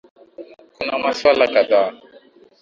kuna masuala kadhaa